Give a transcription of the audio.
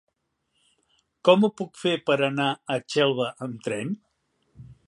Com ho puc fer per anar a Xelva amb tren?